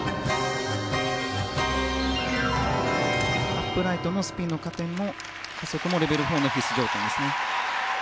アップライトのスピンの加点も加速もレベル４の必須条件ですね。